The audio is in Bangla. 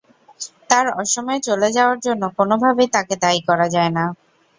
তাঁর অসময়ে চলে যাওয়ার জন্য কোনোভাবেই তাঁকে দায়ী করা যায় না।